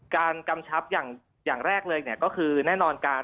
การกำชับยังแรกเลยนะก็คือแน่นอนการ